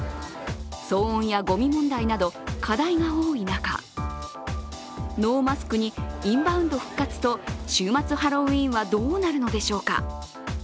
騒音やごみ問題など、課題が多い中、ノーマスクにインバウンド復活と週末ハロウィーンどうなるのでしょうか。